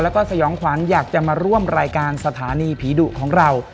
แล้วก็สยองขวัญอยากจะมาร่วมรายการสถานีผีดุของเรา